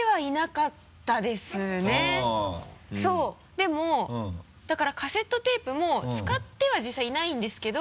でもだからカセットテープも使っては実際いないんですけど。